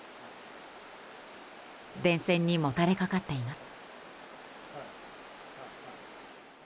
電線にもたれかかっています。